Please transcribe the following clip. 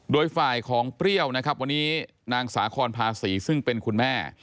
โดยฝ่ายของเปรี้ยวนะครับวันนี้นางสาคอนภาษีซึ่งเป็นคุณแม่